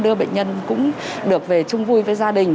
đưa bệnh nhân cũng được về chung vui với gia đình